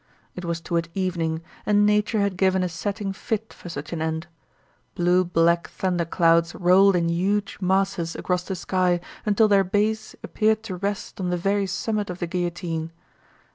It was toward evening, and nature had given a setting fit for such an end. Blue black thunder clouds rolled in huge masses across the sky until their base appeared to rest on the very summit of the guillotine.